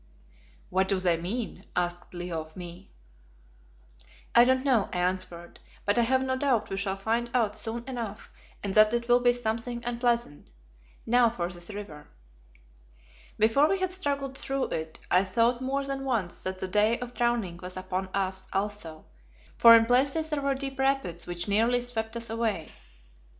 "What do they mean?" asked Leo of me. "I don't know," I answered; "but I have no doubt we shall find out soon enough and that it will be something unpleasant. Now for this river." Before we had struggled through it I thought more than once that the day of drowning was upon us also, for in places there were deep rapids which nearly swept us away.